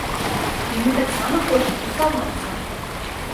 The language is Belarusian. Яны таксама хочуць тусавацца!